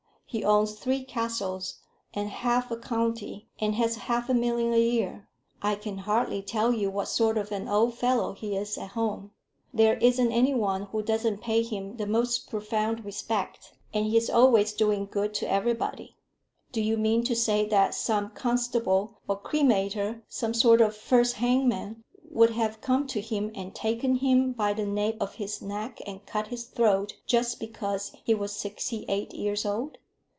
He owns three castles, and half a county, and has half a million a year. I can hardly tell you what sort of an old fellow he is at home. There isn't any one who doesn't pay him the most profound respect, and he's always doing good to everybody. Do you mean to say that some constable or cremator, some sort of first hangman, would have come to him and taken him by the nape of his neck, and cut his throat, just because he was sixty eight years old?